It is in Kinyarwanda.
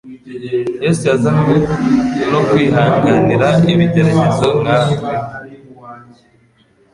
Yesu yazanywe no kwihanganira ibigeragezo nkatwe,